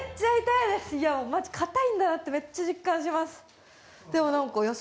いやマジかたいんだなってめっちゃ実感します